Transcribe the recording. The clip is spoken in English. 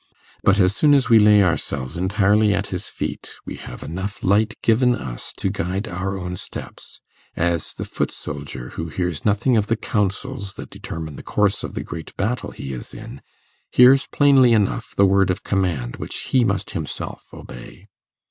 But as soon as we lay ourselves entirely at his feet, we have enough light given us to guide our own steps; as the foot soldier who hears nothing of the councils that determine the course of the great battle he is in, hears plainly enough the word of command which he must himself obey.